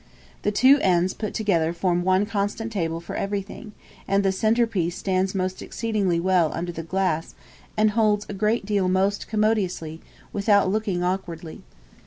The two ends put together form one constant table for everything, and the centre piece stands exceedingly well under the glass, and holds a great deal most commodiously, without looking awkwardly.